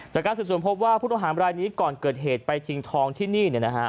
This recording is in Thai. จากการสืบสวนพบว่าผู้ต้องหามรายนี้ก่อนเกิดเหตุไปชิงทองที่นี่